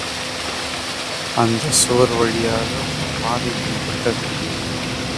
அந்தச் சுவர் வழியாக ஒரு பாதை தென்பட்டது.